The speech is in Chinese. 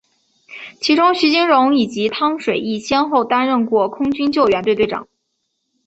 其中徐金蓉以及汤水易先后担任过空军救护队队长。